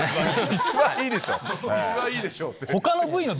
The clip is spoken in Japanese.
「一番いいでしょ」って。